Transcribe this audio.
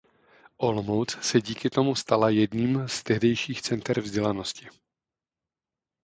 Olomouc se díky tomu stala jedním z tehdejších center vzdělanosti.